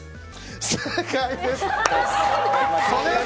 正解です。